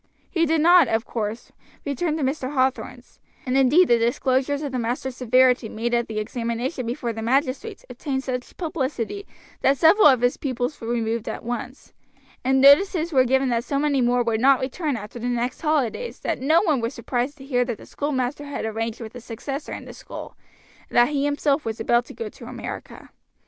He did not, of course, return to Mr. Hathorn's, and indeed the disclosures of the master's severity made at the examination before the magistrates obtained such publicity that several of his pupils were removed at once, and notices were given that so many more would not return after the next holidays that no one was surprised to hear that the schoolmaster had arranged with a successor in the school, and that he himself was about to go to America.